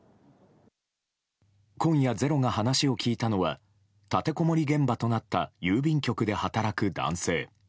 今夜、「ｚｅｒｏ」が話を聞いたのは立てこもり現場となった郵便局で働く男性。